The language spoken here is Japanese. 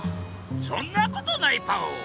そんなことないパオ。